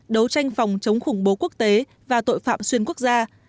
đấu tranh phòng chống khủng bố quốc tế và tội phạm xuyên quốc gia